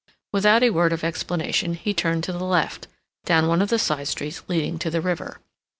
Without a word of explanation he turned to the left, down one of the side streets leading to the river.